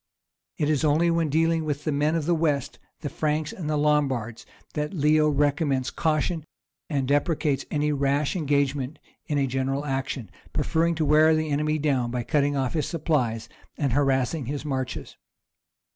It is only when dealing with the men of the West, the Franks and Lombards, that Leo recommends caution and deprecates any rash engagement in a general action, preferring to wear the enemy down by cutting off his supplies and harassing his marches.